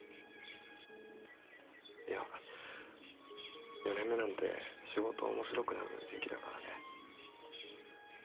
いや４年目なんて仕事面白くなる時期だからね。